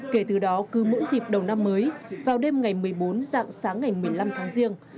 kể từ đó cứ mỗi dịp đầu năm mới vào đêm ngày một mươi bốn dạng sáng ngày một mươi năm tháng riêng